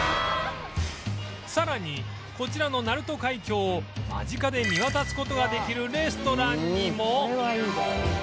さらにこちらの鳴門海峡を間近で見渡す事ができるレストランにも